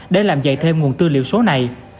để tạo ra thêm nguồn tư liệu số này